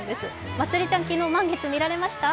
まつりちゃん、昨日、満月見られました？